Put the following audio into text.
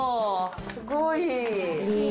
すごい。